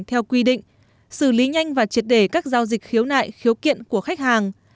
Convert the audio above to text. theo quy định xử lý nhanh và triệt để các giao dịch khiếu nại khiếu kiện của khách hàng